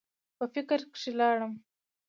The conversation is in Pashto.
پۀ فکر کښې لاړم ـ